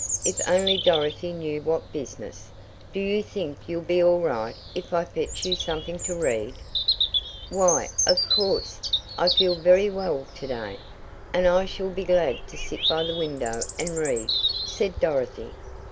If only Dorothy knew what business! "Do you think you'll be all right if I fetch you something to read?" "Why, of course. I feel very well to day, and I shall be glad to sit by the window and read," said Dorothy.